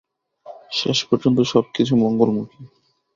শেষ পর্যন্ত সব কিছু মঙ্গলমুখী।